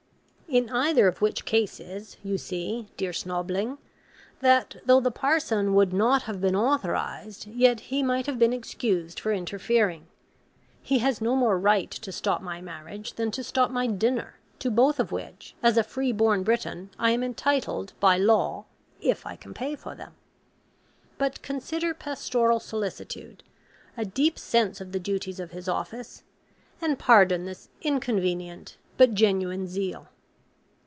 In either of which cases, you see, dear Snobling, that though the parson would not have been authorised, yet he might have been excused for interfering. He has no more right to stop my marriage than to stop my dinner, to both of which, as a free born Briton, I am entitled by law, if I can pay for them. But, consider pastoral solicitude, a deep sense of the duties of his office, and pardon this inconvenient, but genuine zeal.